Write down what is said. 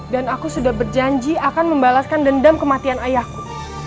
dan aku sudah berjanji akan membalaskan dendam kematian ayahku